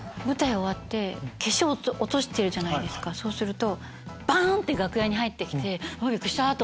そうすると。